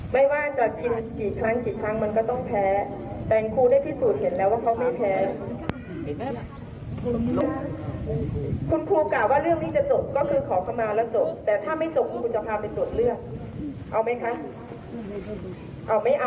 ไม่เอาแล้วคุณจะเอาอะไรค่ะ